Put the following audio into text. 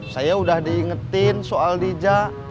saya udah diingetin soal dijak